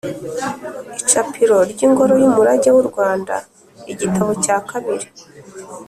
Icapiro ry’Ingoro y’Umurage w’u Rwanda, Igitabo cya kabiri,